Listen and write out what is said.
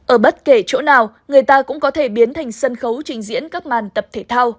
ở bất kể chỗ nào người ta cũng có thể biến thành sân khấu trình diễn các màn tập thể thao